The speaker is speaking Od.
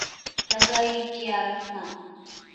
سگائي چِيا رسما